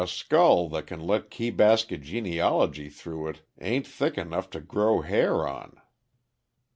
A skull that can let key basket genealogy through it a'n't thick enough to grow hair on."